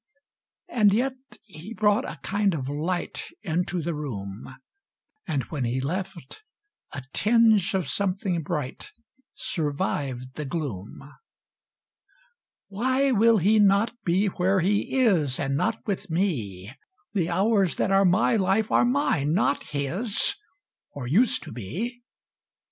And yet he brought a kind of light Into the room; And when he left, a tinge of something bright Survived the gloom. 1811 Why will he not be where he is, And not with me? The hours that are my life are mine, not his,— Or used to be.